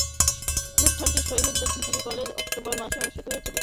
অনুষ্ঠানটি শহীদ বুদ্ধিজীবী কলেজে অক্টোবর মাসে অনুষ্ঠিত হয়েছিলো।